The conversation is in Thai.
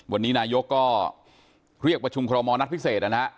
วันนี้นายก็เรียกวัชชุมครอบมอนัฐพิเศษ